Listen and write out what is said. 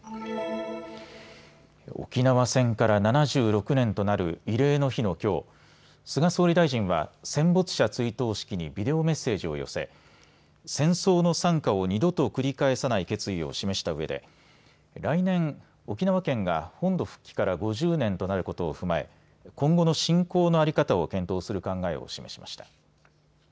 沖縄戦から７６年となる慰霊の日のきょう、菅総理大臣は戦没者追悼式にビデオメッセージを寄せ戦争の惨禍を二度と繰り返さない決意を示したうえで来年、沖縄県が本土復帰から５０年となることを踏まえ今後の振興の在り方を検討する考えを示しました。